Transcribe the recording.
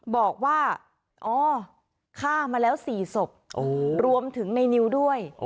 บอกว่าอ๋อฆ่ามาแล้ว๔ศพรวมถึงในนิวด้วย